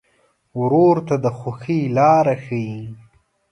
ورور ته د خوښۍ لاره ښيي.